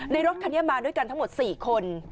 รถคันนี้มาด้วยกันทั้งหมด๔คน